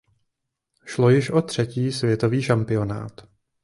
Šlo již o třetí světový šampionát.